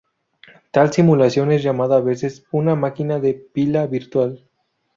Tal simulación es llamada a veces una "máquina de pila virtual".